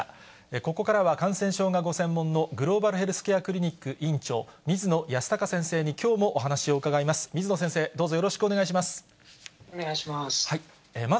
ここからは感染症がご専門の、グローバルヘルスケアクリニック院長、水野泰孝先生にきょうもお話を伺います。